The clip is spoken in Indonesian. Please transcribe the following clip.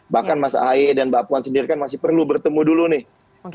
bahkan mas ahaye dan mbak puan sendiri kan masih perlu bertemu dulu nih